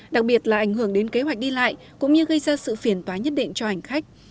đặc biệt là ảnh hưởng đến kế hoạch đi lại cũng như gây ra sự phiền toá nhất định cho hành khách